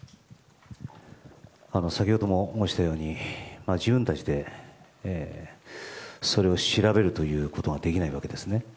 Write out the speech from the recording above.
先ほども申したように自分たちでそれを調べるということができないわけですね。